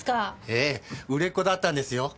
ええ売れっ子だったんですよ。